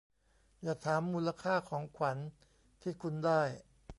อย่าถามมูลค่าของขวัญที่คุณได้